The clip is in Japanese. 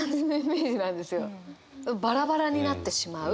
バラバラになってしまう。